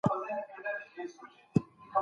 د هېواد ابادي د هر وګړي مسؤلیت دی.